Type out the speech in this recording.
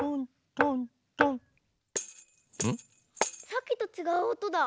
さっきとちがうおとだ。